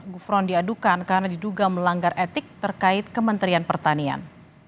gufron diadukan karena diduga melanggar etik terkait kementerian pertanian